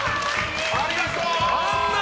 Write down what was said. ありがとう！